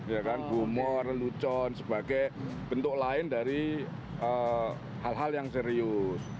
ya kan humor lelucon sebagai bentuk lain dari hal hal yang serius